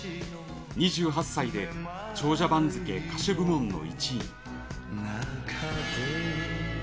２８歳で長者番付歌手部門の１位に。